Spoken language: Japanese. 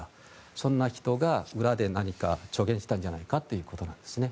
そんな人が裏で何か助言したんじゃないかということなんですね。